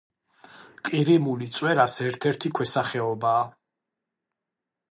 ყირიმული წვერას ერთ-ერთი ქვესახეობაა.